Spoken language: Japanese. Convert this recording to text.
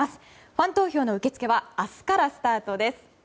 ファン投票の受け付けは明日からスタートです。